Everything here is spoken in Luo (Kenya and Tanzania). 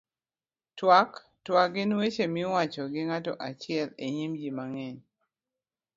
twak. twak gin weche miwacho gi ng'ato achiel e nyim ji mang'eny